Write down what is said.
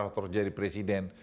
atau harus jadi presiden